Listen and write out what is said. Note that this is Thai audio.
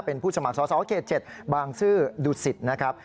เป็นผู้สมัครสอบ๖๗บางซื่อดูสิทธิ์นะครับ